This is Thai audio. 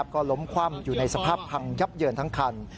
ก็ล้มคว่ำอยู่ในสภาพพังยับเยินทั้งคัน